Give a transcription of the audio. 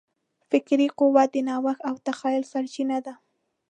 فکري قوت د نوښت او تخیل سرچینه ده.